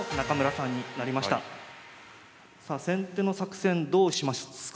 さあ先手の作戦どうしますか？